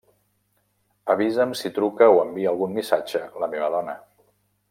Avisa'm si truca o envia algun missatge la meva dona.